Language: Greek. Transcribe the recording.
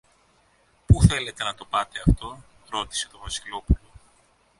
Πού θέλετε να το πάτε αυτό; ρώτησε το Βασιλόπουλο.